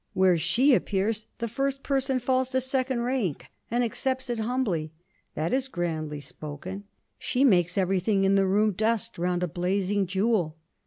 'Where she appears, the first person falls to second rank, and accepts it humbly.' 'That is grandly spoken.' 'She makes everything in the room dust round a blazing jewel.'